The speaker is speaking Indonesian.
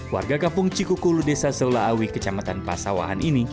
warga kampung cikukulu desa solaawi kecamatan pasawahan ini